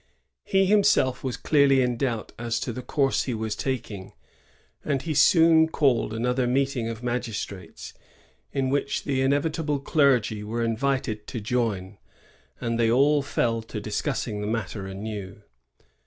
He himself was clearly in doubt as to the course he was taking, and he soon called another meeting of magistrates, in which the inevitable cleigy were invited to join; and they all fell to discussing the matter anew.